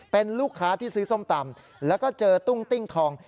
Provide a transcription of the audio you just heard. เป็นลูกค้าที่ซื้อส้มตำแล้วก็เจอตุ้งติ้งทอง